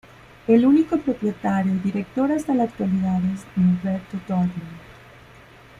El único propietario y director hasta la actualidad es Norberto Dorfman.